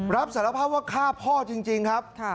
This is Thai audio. รับสารภาพว่าฆ่าพ่อจริงครับ